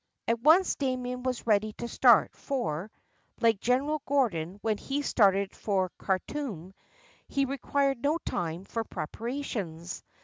At once Damien was ready to start, for, like General Gordon when he started for Khartoum, he required no time for preparations.